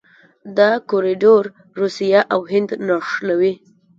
دا کوریډور روسیه او هند نښلوي.